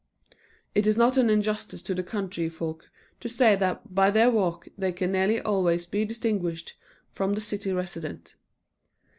It is not an injustice to the country folk to say that by their walk they can nearly always be distinguished from the city resident.